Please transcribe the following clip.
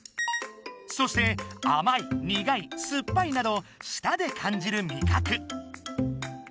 そして「あまい」「にがい」「すっぱい」など舌で感じる味覚。